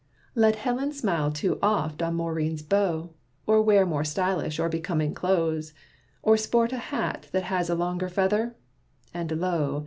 Let Helen smile too oft on Maurine's beaux, Or wear more stylish or becoming clothes, Or sport a hat that has a longer feather And lo!